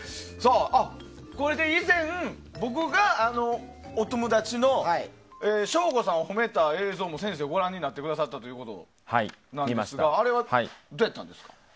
これで以前僕がおトムだちの省吾さんを褒めた映像も先生がご覧になったそうですがあれは、どうやったんですか？